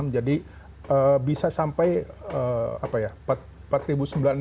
jadi bisa sampai apa ya empat ribu sembilan puluh enam mode tekanan